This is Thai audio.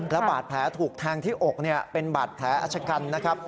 และบาดแผลถูกแทงที่อกเป็นบาดแผลชะกันนะครับ